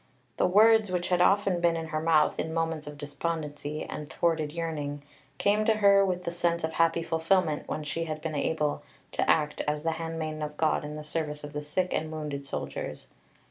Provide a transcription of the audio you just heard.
The words, which had often been in her mouth in moments of despondency and thwarted yearning, came to her with the sense of happy fulfilment when she had been able to act as the handmaiden of God in the service of the sick and wounded soldiers.